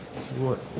すごい！